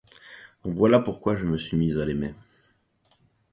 Voilà pourquoi je me suis mis à l'aimer.